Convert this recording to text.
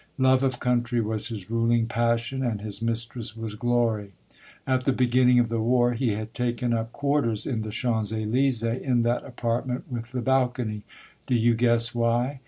Love of country was his ruling passion, and his mistress was Glory. At the be ginning of the war he had taken up quarters in the Champs Elysees in that apartment with the balcony. Do you guess why?